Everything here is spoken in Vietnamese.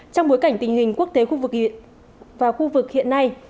trong bối cảnh tình hình quốc tế khu vực và khu vực hiện nay